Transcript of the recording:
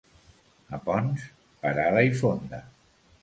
A Ponts, parada i fonda.